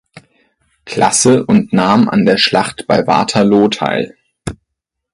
Klasse und nahm an der Schlacht bei Waterloo teil.